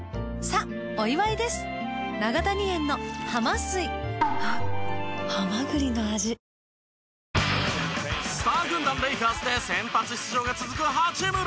スター軍団レイカーズで先発出場が続く八村。